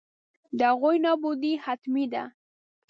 د هغوی نابودي حتمي ده.